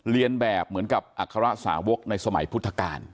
เรียนแบบเหมือนกับอัคระสาวกในสมัยพุทธกาล